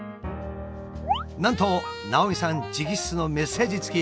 なんと直見さん直筆のメッセージ付き。